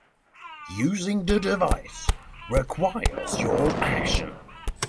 Using the device requires your action.